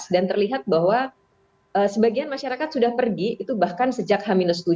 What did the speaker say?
dan terlihat bahwa sebagian masyarakat sudah pergi itu bahkan sejak h tujuh